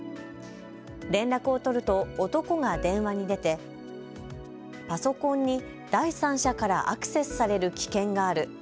連絡を取ると、男が電話に出てパソコンに第三者からアクセスされる危険がある。